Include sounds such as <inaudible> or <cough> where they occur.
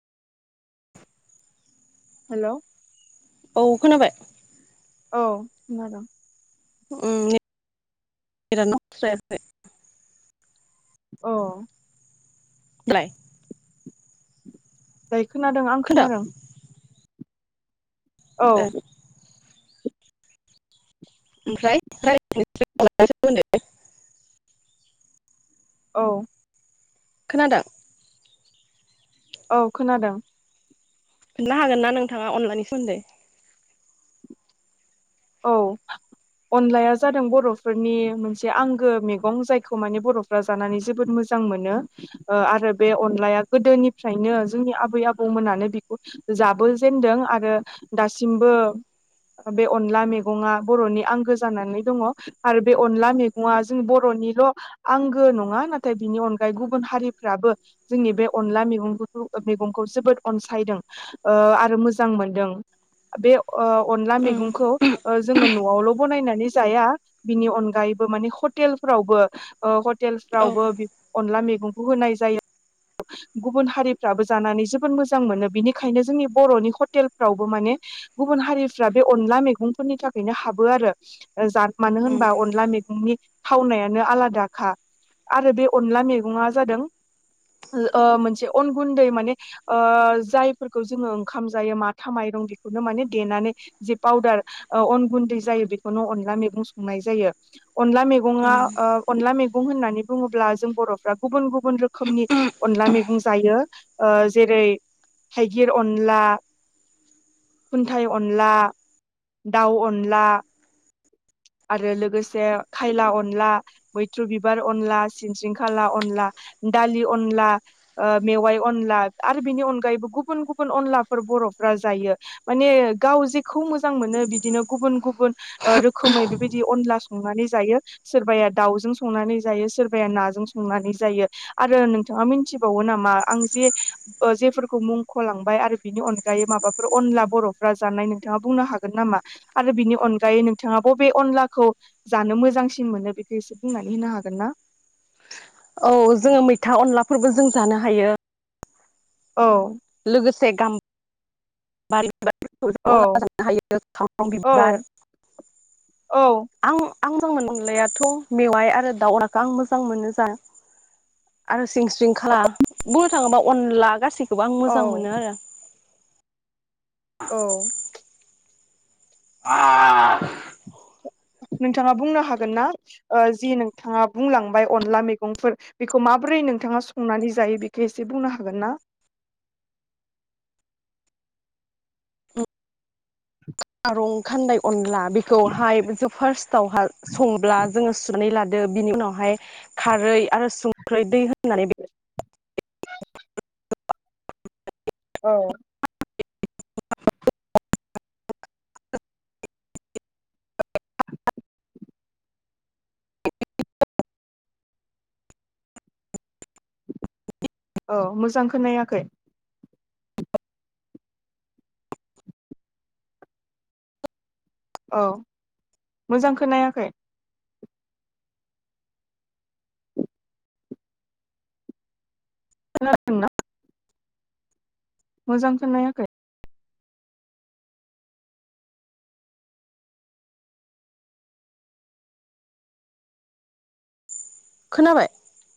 <inaudible> Hello. औ खोनाबाय? औ खोनादों। उम नेट <unintelligible> नांस्रायाखै। औ। दालाय <unintelligible> खोनादों आं खोनादों। औ ओ ओमफ्राय <unintelligible> औ खोनादों औ खोनादों। खोनला हागोन ना नोंथाङा अनलानि सोमोन्दै औ अनलाया जादों बरफोरनि मोनसे आंगो मैगं जायखौ माने बरफ्रा जानानै जोबोद मोजां मोनो ओ आरो बे अनलाया गोदोनिफ्रायनो जोंनि आबै आबौमोनानो बेखौ जाबोजेनदों आरो दासिमबो बे अन अनला मैगंआ बरनि आंगो जानानै दङ आरो बे अनला मैगङा जों बरनिल आंगो नङा नाथाय बिनि अनगायै गुबुन हारिफ्राबो जोंनि बे अनला मैगंफोरखौ मैगंखौ जोबोद अनसायदों ओ आरो मोजां मोनदों बे ओ अनला उम मैगंखौ ओ जोङो नआवल बनायनानै जाया बिनि अनगायैबो मानि हटेलफ्रावबो ओ हट औ टेलसफ्रावबो बेफ अनला मेग गंसे होनाय जायो गुबुन हारिफ्राबो जानानै जोबोद मोजां मोनो बिनिखायनो जोंनि बरनि हटेलफ्रावबो माने गुबुन हारिफ्रा बे अनला मैगं फोरनि थाखायनो हाबो आरो जान मानो उम होनबा अनला मैगंनि थावनायानो आलादाखा आरो बे अनला मैगङा जादों ओ ओ मोनसे अन गुन्दै माने ओ जायफोरखौ जोङो ओंखाम जायो माथा माइरं बेखौनो माने देनानै जे पाउदार ओ अन गुन्दै जायो बेखौनो अनला मैगं संनाय जायो। अनला मैगङा उम ओ अनला मैग गं होननानै बुङोब्ला जों बरफ्रा गुबुन गुबुन रोखोमनि अनला मैगं जायो ओ जेरै थाइगिर अनला खुन्थाइ अनला। दाउ अनला आरो लोगोसे खायला अनला मैथ्रु बिबार अनला सिनस्रिंखाला अनला दालि अनला ओ मेवाइ अनला आरो बेनि अनगायैबो गुबुन गुबुन अनलाफोर बरफ्रा जायो माने गाव जेखौ मोज मोजां मोनो बिदिनो गुबुन गुबुन ओ रोखोमै बेबायदि अनला स संनानै जायो सोरबाया दाउजों संनानै जायो सोरबाया नाजों संनानै जायो आरो नोंथाङा मिथिबावो नामा आं जे ओ जेफोरखौ मुंखलांबाय आरो बिनि अनगायै माबाफोर अनला बरफ्रा जानाय नोंथाङा बुंनो हाग गोन नामा आरो बिनि अनगायै नोंथाङा बबे अनलाखौ जानो मोजांसिन मोनो बेखौ इसे बुंनानै होनो हागोन ना? औ जोङो मैथा अनलाफोरबो जों जानो हायो। औ लोगोसे गाम बारि औ औ <unintelligible> औ आं मोजां मोन अनलायाथ मेवाइ आरो दाउ अनलाखौ आं मोजां मोनो जा आरो सिंस्रिंखाला बोर थाङोबा अनला गासिक आं मोजां औ मोनो आरो औ <inaudible> आ नोंथाङा बुंनो हागोन ना ओ जि नोंथाङा बुंलांबाय अनला मैगंफोर बेखौ माबोरै नोंथाङा संनानै जायो बेखौ इसे बुंनो हागोन ना? खारं खान्दाय अनला बेखौहाय जों फार्स्टआवहा संब्ला जोङो सुनानै लादो बिनि उनावहाय खारै आरो संख्रै दै नानै <unintelligible> <inaudible> औ औ मोजां खोनायाखै औ मोजां खोनायाखै खोनादों ना? मोजां खोनायाखै खोनाबाय?